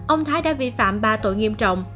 ông thái đã vi phạm ba tội nghiêm trọng